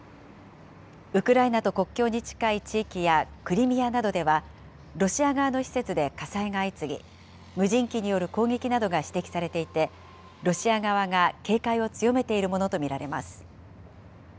ウクライナと国境に近い地域やクリミアなどでは、ロシア側の施設で火災が相次ぎ、無人機による攻撃などが指摘されていて、ロシア側が警戒を強めているものと見られます。